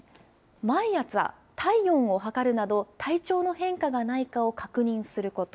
毎朝、体温を測るなど、体調の変化がないかを確認すること。